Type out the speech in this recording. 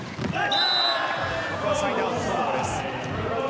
ここはサイドアウトトルコです。